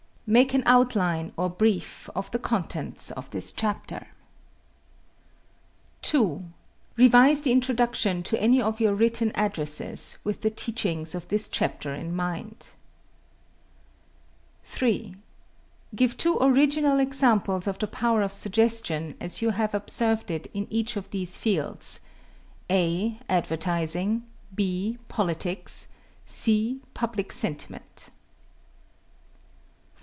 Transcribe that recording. Make an outline, or brief, of the contents of this chapter. 2. Revise the introduction to any of your written addresses, with the teachings of this chapter in mind. 3. Give two original examples of the power of suggestion as you have observed it in each of these fields: (a) advertising; (=b=) politics; (c) public sentiment. 4.